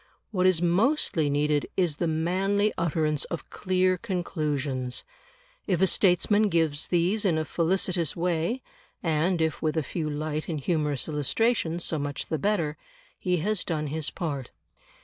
What is mostly needed is the manly utterance of clear conclusions; if a statesman gives these in a felicitous way (and if with a few light and humorous illustrations, so much the better), he has done his part.